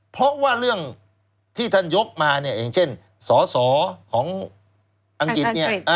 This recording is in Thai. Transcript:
เพราะว่าเรื่องที่ท่านยกมาเนี่ยอย่างเช่นสอสอของอังกฤษเนี่ย